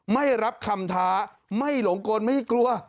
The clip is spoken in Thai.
ไม่รับคำท้าไม่หลงกลไม่กลัว